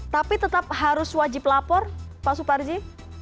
tapi tetap harus wajib lapor pak suparji